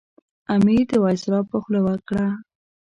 امیر د وایسرا په خوله وکړه.